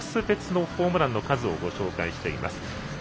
別のホームランの数をご紹介しています。